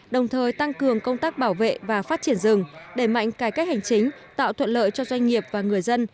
đồng thời tăng cường công tác bảo vệ và phát triển rừng đẩy mạnh cải cách hành chính tạo thuận lợi cho doanh nghiệp và người dân